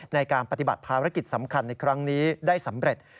ในการปฏิบัติภารกิจสำคัญในครั้งนี้ได้สำเร็จ